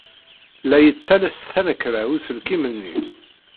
La yettales tanekra uselkim-nni.